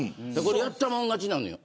やったもん勝ちなのよ。